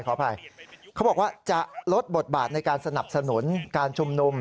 ขออภัยเขาบอกว่าจะลดบทบาทในการสนับสนุนการชุมนุม